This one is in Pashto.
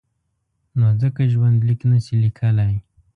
نو ځکه ژوندلیک نشي لیکلای.